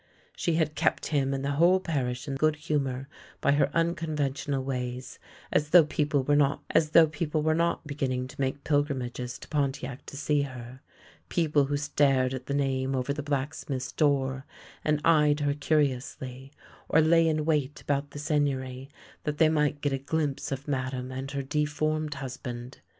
She had kept him and the whole parish in good humour by her unconventional ways, as though people were not begin ning to make pilgrimages to Pontiac to see her — people who stared at the name over the blacksmith's door, and eyed her curiously, or lay in wait about the Seigneury, that they might get a glimpse of Madame and her de formed husband.